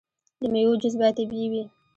د میوو جوس باید طبیعي وي.